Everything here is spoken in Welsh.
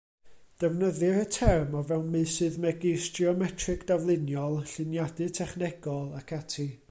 Defnyddir y term o fewn meysydd megis geometreg dafluniol, lluniadau technegol, ac ati.